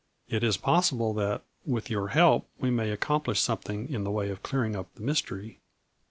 It is possible that, with your help, we may accomplish something in the way of clearing up the mystery.